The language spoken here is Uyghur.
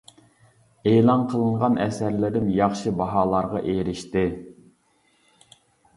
ئېلان قىلىنغان ئەسەرلىرىم ياخشى باھالارغا ئېرىشتى.